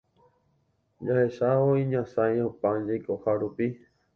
Jahechávo iñasãi opa jaikoha rupi